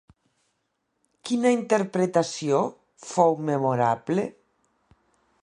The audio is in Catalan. Quina interpretació fou memorable?